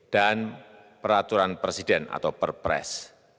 dan peraturan presiden atau perpres